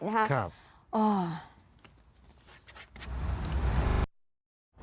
นะครับ